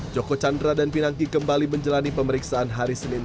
joko chandra dan pinangki kembali menjalani pemeriksaan hari senin